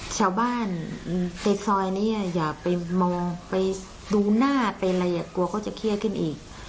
ชาวบ้านในซอยนี้อย่าไปมองไปดูหน้าไปอะไรกลัวเขาจะเครียดขึ้นอีก